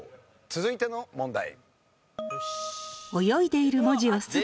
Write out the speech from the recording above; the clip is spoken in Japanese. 続いての問題。